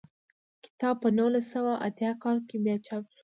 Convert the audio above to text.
کتاب په نولس سوه اتیا کال کې بیا چاپ شو.